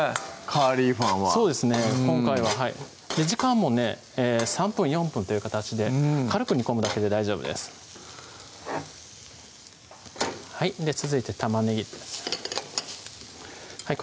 「カーリーファン」はそうですね今回は時間もね３分４分という形で軽く煮込むだけで大丈夫です続いて玉ねぎです